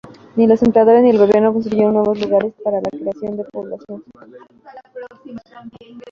Ni los empleadores ni el gobierno construyeron nuevos lugares para la creciente población.